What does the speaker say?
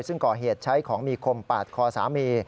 ซึ่งก่อเหตุใช้ของมีคมปาดคอสามี